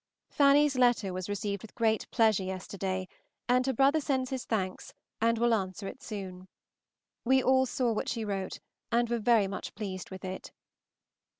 Fanny's letter was received with great pleasure yesterday, and her brother sends his thanks and will answer it soon. We all saw what she wrote, and were very much pleased with it.